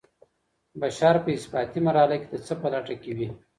بشر په اثباتي مرحله کي د څه په لټه کي وي؟